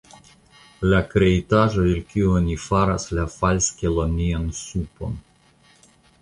La kreitaĵo, el kiu oni faras la falskelonian supon.